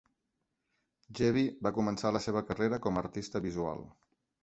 Gebbie va començar la seva carrera com a artista visual.